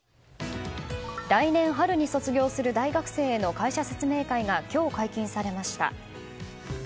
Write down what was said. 来年春に卒業する大学生への会社説明会が今日解禁されました。